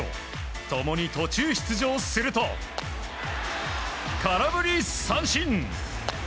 共に途中出場すると空振り三振！